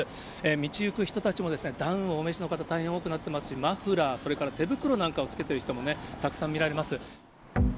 道行く人たちもダウンをお召の方、大変多くなっていますし、マフラー、それから手袋なんかを着けてる人もたくさん見られます。